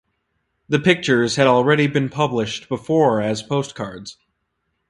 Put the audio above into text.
The pictures had already been published before as postcards.